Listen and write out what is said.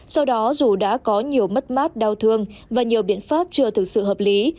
sau đó dù đã có nhiều mất mát đau thương và nhiều biện pháp chưa thực sự hợp lý